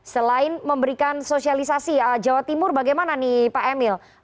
selain memberikan sosialisasi jawa timur bagaimana nih pak emil